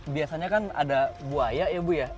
biasanya kan ada buaya ya bu ya